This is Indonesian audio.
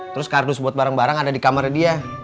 terus kardus buat barang barang ada di kamarnya dia